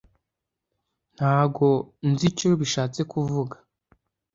ntago nzi icyo bishatse kuvuga,